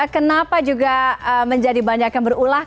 kenapa juga menjadi banyak yang berulah